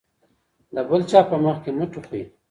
د بل چا په مخ کې مه ټوخئ.